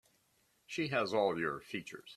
She has all your features.